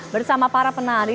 bersama para penari